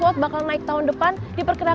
diperkenakan dengan kondisi kondisi kondisi